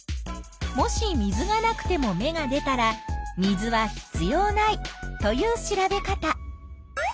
もし水がなくても芽が出たら水は必要ないという調べ方。